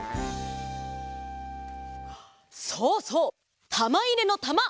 そうそう！たまいれのたま！